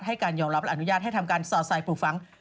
ให้การยอมรับอนุญาตให้ทำสอดใส่ปลูกฟัง